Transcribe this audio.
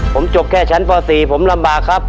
ผมจบแค่ชั้นป๔ผมลำบากครับ